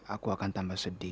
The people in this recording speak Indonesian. aku akan tambah sedih